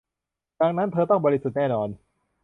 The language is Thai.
ดังนั้น เธอต้องบริสุทธิ์แน่นอน